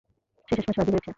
সে শেষমেশ রাজি হয়েছে।